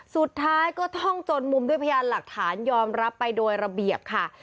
สุดท้ายก็ท่องจนมุมด้วยพยานหลักฐานยอมรับไปโดยระเบียบค่ะ